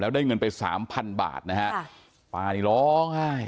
แล้วได้เงินไปสามพันบาทนะฮะป๋านี่ร้อง้า